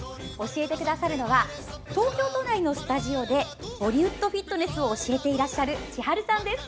教えてくださるのは東京都内のスタジオでボリウッドフィットネスを教えていらっしゃる千晴さんです。